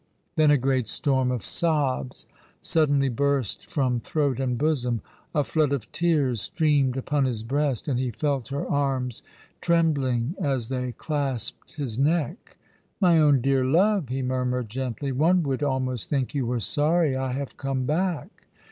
Then a great storm of sobs suddenly burst from throat and bosom, a flood of tears streamed upon his breast, and he felt her arms trembling as they clasped his neck. "My own dear love," he murmured gently, "one would almost think you were sorry I have came back."